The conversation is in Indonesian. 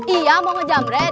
iya mau ngejam red